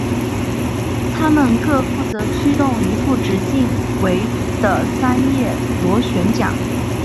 它们各负责驱动一副直径为的三叶螺旋桨。